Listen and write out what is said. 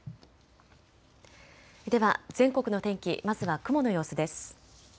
では全国の天気、まずは雲の様子です。